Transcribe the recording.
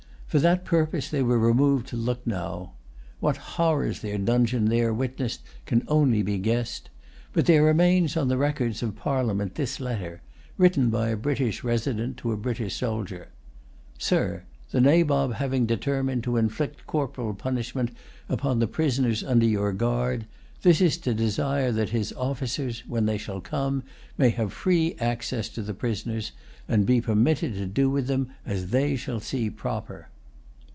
For that purpose they were removed to Lucknow. What horrors their dungeon there witnessed can only be guessed. But there remains on the records of Parliament this letter, written by a British resident to a British soldier:— "Sir, the Nabob having determined to inflict corporal punishment upon the prisoners under your guard, this is to desire that his officers, when they shall come, may have free access to the prisoners, and be permitted to do with them as they shall see proper."